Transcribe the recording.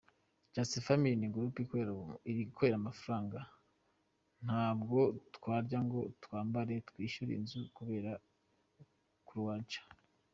Just Family ni group ikorera amafaranga, ntabwo twarya ngo twambare, twishyure inzu kubera Croidja.